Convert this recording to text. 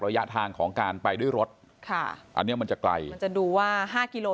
ระยะทางของการไปด้วยรถอันนี้มันจะไกลจะดูว่า๕กิโล